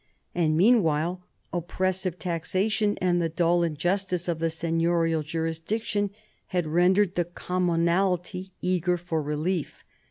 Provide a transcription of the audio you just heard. And meanwhile oppressive taxation and the dull injustice of the seigniorial jurisdiction had rendered the commonalty eager for relief.